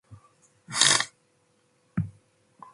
Adecbidi bëdanbo iquec